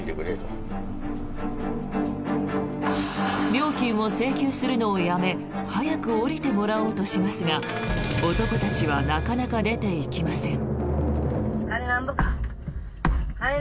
料金を請求するのをやめ早く降りてもらおうとしますが男たちはなかなか出ていきません。